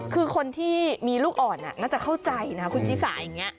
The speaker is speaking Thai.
คือคนที่มีลูกอ่อนน่าจะเข้าใจนะคุณชิสาอย่างนี้